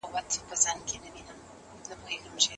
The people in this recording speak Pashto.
پرته له ښه مدیریت څخه شته وسایل ګټه نه سي رسولای.